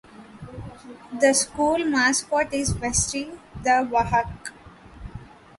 The school mascot is Westy The Wahawk.